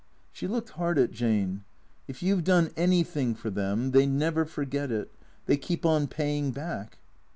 She looked hard at Jane. " If you 've done anything for them, they never forget it. They keep on paying back."